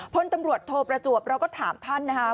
พลตำรวจโทประจวบเราก็ถามท่านนะครับ